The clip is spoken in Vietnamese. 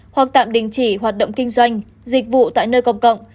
hoặc tạm đình chỉ hoạt động kinh doanh dịch vụ tại nơi công cộng